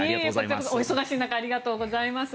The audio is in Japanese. こちらこそお忙しい中ありがとうございます。